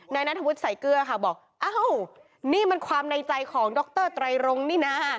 นัทธวุฒิใส่เกลือค่ะบอกอ้าวนี่มันความในใจของดรไตรรงนี่นะ